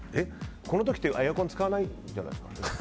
この時ってエアコン使わないんじゃないんですか。